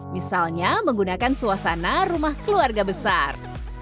misalnya menggunakan suasana rumah keluarga besar